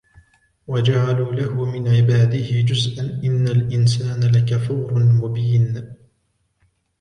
وجعلوا له من عباده جزءا إن الإنسان لكفور مبين